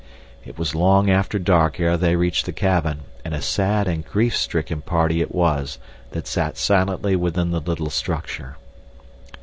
It was long after dark ere they reached the cabin, and a sad and grief stricken party it was that sat silently within the little structure.